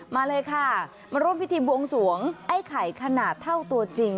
มาเลยค่ะมาร่วมพิธีบวงสวงไอ้ไข่ขนาดเท่าตัวจริง